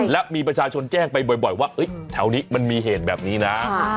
และมีประชาชนแจ้งไปบ่อยว่าแถวนี้มันมีเหตุแบบนี้นะ